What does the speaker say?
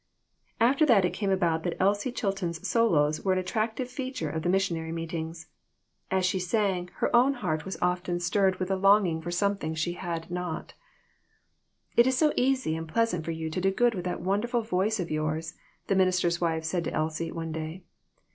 After that it came about that Elsie Chilton's solos were an attractive feature of the missionary meetings. As she sang, her own heart was 236 THIS WORLD, AND THE OTHER ONE. often stirred with a longing for something she had not. "It is so easy and pleasant for you to do good with that wonderful voice of yours," the minister's wife said to Elsie, one day.